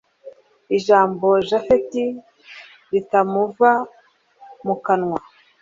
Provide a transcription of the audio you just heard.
ijambo japhet ritamuva mukanwa